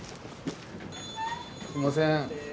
すいません。